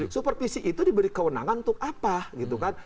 supervisi itu diberi kewenangan untuk apa gitu kan